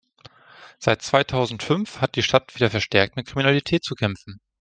Seit zweitausendfünf hat die Stadt wieder verstärkt mit Kriminalität zu kämpfen.